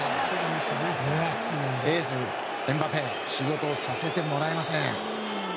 エース、エムバペ仕事をさせてもらえません。